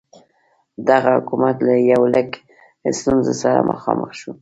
دغه حکومت له یو لړ ستونزو سره مخامخ شو.